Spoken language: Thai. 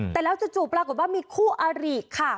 แต่แล้วจู่ปรากฏว่ามีคู่อาริค่ะ